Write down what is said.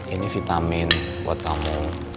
ini vitamin buat kamu